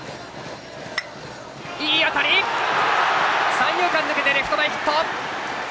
三遊間抜けて、レフト前ヒット。